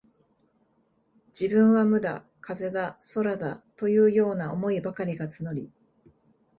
自分は無だ、風だ、空だ、というような思いばかりが募り、